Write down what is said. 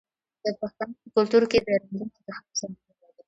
د پښتنو په کلتور کې د رنګونو انتخاب ځانګړی دی.